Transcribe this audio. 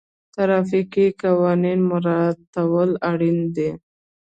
ټرافیکي قوانین مراعتول اړین دي.